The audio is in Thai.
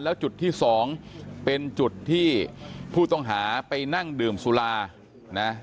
แล้วจุดที่สองเป็นจุดที่ผู้ต้องหาไปนั่งดื่มสุรานะ